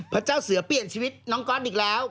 พระเจ้าเสือเปลี่ยนชีวิตน้องก๊อตอีกแล้ว